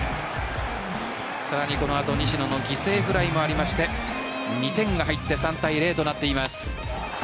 さらにこの後西野の犠牲フライもありまして２点が入って３対０となっています。